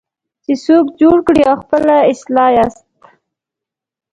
چې څوک جوړ کړئ او خپله اصلاح یاست.